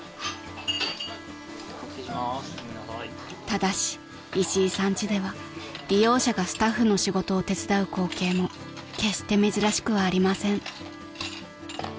［ただしいしいさん家では利用者がスタッフの仕事を手伝う光景も決して珍しくはありません］